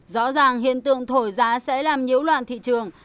rõ ràng hiện tượng thổi giá sẽ làm nhiễu loạn thị trường